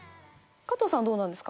加藤さんどうなんですか？